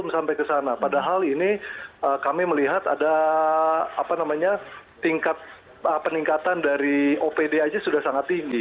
sampai ke sana padahal ini kami melihat ada tingkat peningkatan dari opd aja sudah sangat tinggi